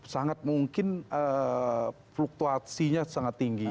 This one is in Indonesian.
sangat mungkin fluktuasinya sangat tinggi